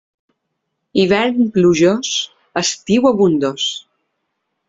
Hivern plujós, estiu abundós.